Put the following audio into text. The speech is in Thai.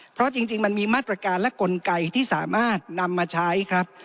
เพราะจริงมันมีมาตรการและกลไกที่สามารถนำมาใช้ครับ